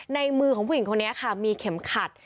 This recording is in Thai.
ในมือของผู้หญิงคนนี้ค่ะมีเข็มขัด